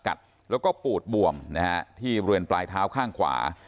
กัดแล้วก็ปูดบวมนะฮะที่บริเวณปลายเท้าข้างขวา